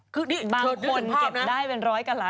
คือนี่ถือถึงภาพนะ